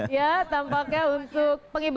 ya tampaknya untuk